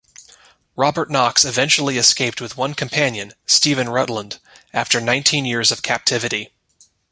Robert Knox eventually escaped with one companion, Stephen Rutland, after nineteen years of captivity.